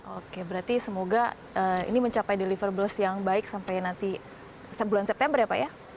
oke berarti semoga ini mencapai deliverabless yang baik sampai nanti bulan september ya pak ya